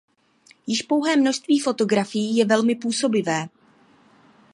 Již pouhé množství fotografií je velmi působivé.